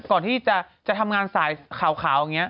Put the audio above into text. ก่อนที่จะทำงานสายขาว